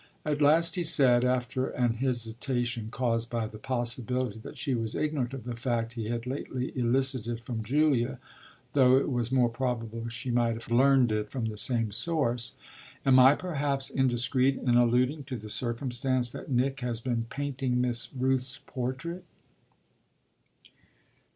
At last he said, after an hesitation caused by the possibility that she was ignorant of the fact he had lately elicited from Julia, though it was more probable she might have learned it from the same source: "Am I perhaps indiscreet in alluding to the circumstance that Nick has been painting Miss Rooth's portrait?"